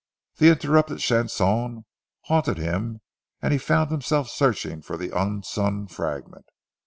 The interrupted chanson haunted him and he found himself searching for the unsung fragment.